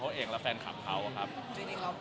คือแฟนคลับเขามีเด็กเยอะด้วย